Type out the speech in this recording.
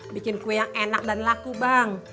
bikin kue yang enak dan laku bang